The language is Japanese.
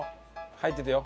入っててよ。